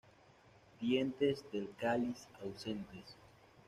Dientes del cáliz ausentes.